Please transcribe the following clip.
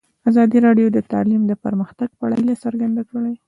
ازادي راډیو د تعلیم د پرمختګ په اړه هیله څرګنده کړې.